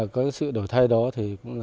có sự đổi thay đó cũng là nhờ sự ở trong năm qua